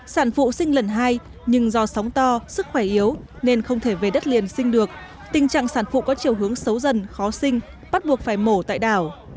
sản phụ sinh lần hai nhưng do sóng to sức khỏe yếu nên không thể về đất liền sinh được tình trạng sản phụ có chiều hướng xấu dần khó sinh bắt buộc phải mổ tại đảo